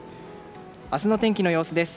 明日の天気の様子です。